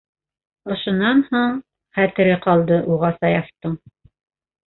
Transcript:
Ошонан һуң хәтере ҡалды уға Саяфтың.